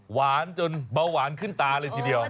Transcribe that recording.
จนเบาหวานขึ้นตาเลยทีเดียว